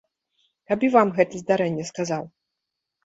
Каб і вам гэта здарэнне сказаў!